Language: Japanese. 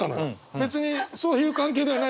別にそういう関係ではないけれど。